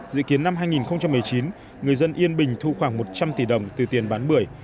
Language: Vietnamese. dự kiến năm hai nghìn một mươi chín người dân yên bình thu khoảng một trăm linh tỷ đồng từ tiền bán bưởi